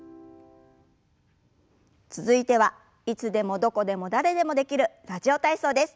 続いてはいつでもどこでも誰でもできる「ラジオ体操」です。